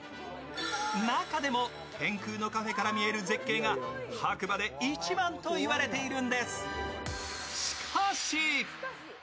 中でも天空のカフェから見える絶景が白馬で一番といわれているんです。